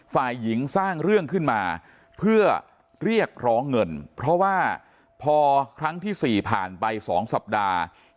ฝ่ายหญิงสร้างเรื่องขึ้นมาเพื่อเรียกร้องเงินเพราะว่าพอครั้งที่๔ผ่านไป๒สัปดาห์